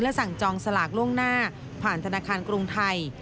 สั่งจองสลากล่วงหน้าผ่านธนาคารกรุงไทย